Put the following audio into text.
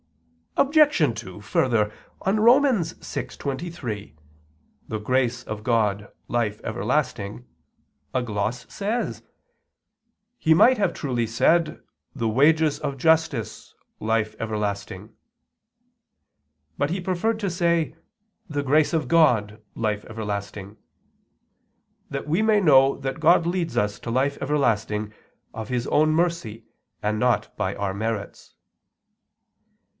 Obj. 2: Further, on Rom. 6:23, "The grace of God, life everlasting," a gloss says: "He might have truly said: 'The wages of justice, life everlasting'; but He preferred to say 'The grace of God, life everlasting,' that we may know that God leads us to life everlasting of His own mercy and not by our merits."